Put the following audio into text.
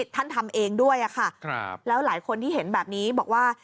ทำเองด้วยค่ะแล้วหลายคนที่เห็นแบบนี้บอกว่า